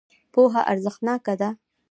پوهه ارزښتناکه ده.